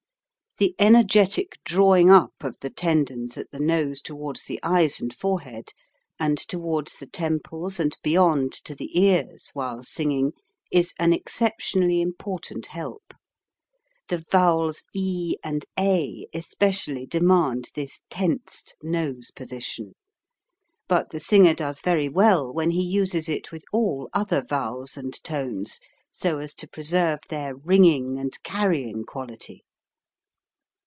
The energetic drawing up of the tendons at the nose towards the eyes and forehead, and towards the temples and beyond to the ears while singing is an excep tionally important help. The vowels e and a especially demand this tensed nose position; but the singer does very well when he uses it with all other vowels and tones so as to preserve their ringing and carrying quality.